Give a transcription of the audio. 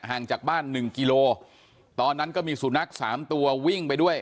ห่างจากบ้านหนึ่งกิโลตอนนั้นก็มีสุนัขสามตัววิ่งไปด้วย